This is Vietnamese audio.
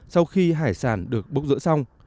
sau khi hải sản được bốc rỡ xong